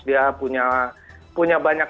dia punya banyak skandal